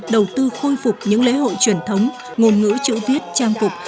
đầu tư khôi phục những lễ hội truyền thống ngôn ngữ chữ viết trang cục